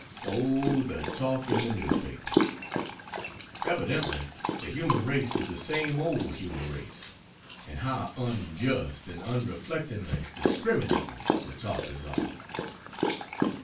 Oh, the talk in the newspapers! Evidently the Human Race is the same old Human Race. And how unjust, and unreflectingly discriminating, the talkers are.